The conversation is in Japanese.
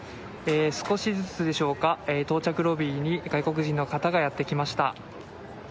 少しずつでしょうか到着ロビーに外国人の方がやってきました。